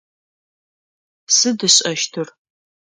Сыд ышӏэщтыр?